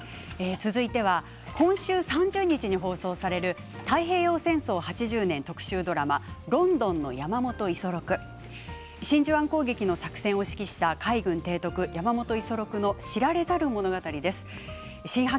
続いては今週３０日に放送される太平洋戦争８０年特集ドラマ「倫敦ノ山本五十六」真珠湾攻撃の作戦を指揮した海軍提督・山本五十六の知られざる物語です。